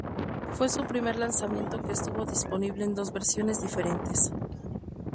Fue su primer lanzamiento que estuvo disponible en dos versiones diferentes.